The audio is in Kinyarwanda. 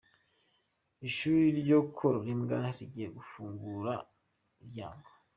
Ishuri ryo korora imbwa rigiye gufungura imiryango.